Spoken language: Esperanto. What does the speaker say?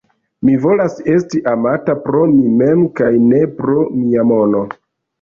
Mi volas esti amata pro mi mem kaj ne pro mia mono!